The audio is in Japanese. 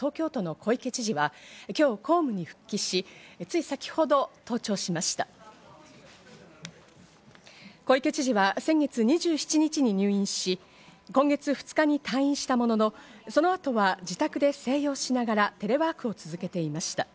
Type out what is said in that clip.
小池知事は先月２７日に入院し、今月２日に退院したものの、その後は自宅で静養しながら、テレワークを続けていました。